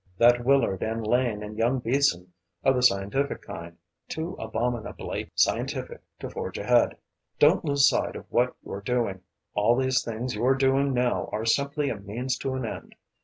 That Willard and Lane and young Beason are the scientific kind, too abominably scientific to forge ahead. Don't lose sight of what you are doing. All these things you are doing now are simply a means to an end.